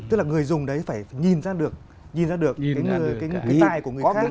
tức là người dùng đấy phải nhìn ra được nhìn ra được cái tài của người khác